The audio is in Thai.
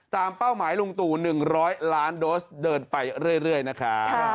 เป้าหมายลุงตู่๑๐๐ล้านโดสเดินไปเรื่อยนะครับ